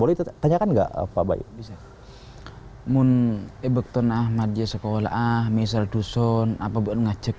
boleh tanyakan enggak apa baik bisa mun ebekten ahmad ya sekolah misal dusun apa buat ngajak